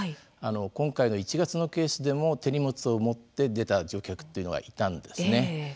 今回の１月のケースでも手荷物を持って出た乗客っていうのがいたんですね。